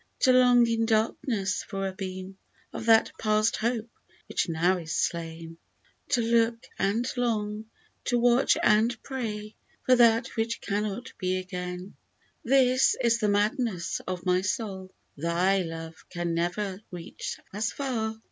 To long in darkness for a beam Of that past hope which now is slain ; To look and long, to watch and pray For that which cannot be again : This is the madness of my soul, Thy love can never reach as far.